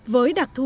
với đặc thù